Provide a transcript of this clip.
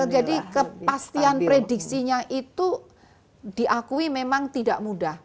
jadi kepastian prediksinya itu diakui memang tidak mudah